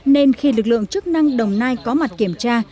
nên khi lực lượng chức năng đồng nai có mặt kiểm tra